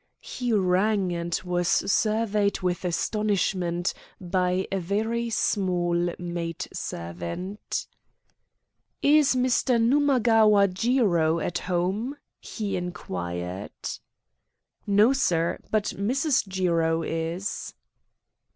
He rang, and was surveyed with astonishment by a very small maid servant. "Is Mr. Numagawa Jiro at home?" he inquired. "No, sir, but Mrs. Jiro is."